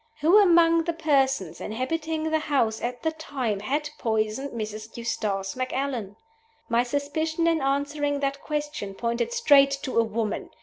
Who among the persons inhabiting the house at the time had poisoned Mrs. Eustace Macallan? My suspicion in answering that question pointed straight to a woman.